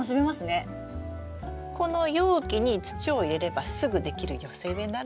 この容器に土を入れればすぐできる寄せ植えなので。